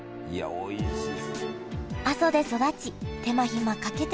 おいしい。